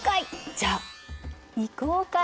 じゃ行こうかい！